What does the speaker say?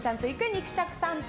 肉食さんぽ。